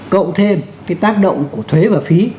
cộng thêm cái tác động của thuế và phí